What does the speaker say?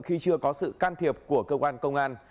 khi chưa có sự can thiệp của cơ quan công an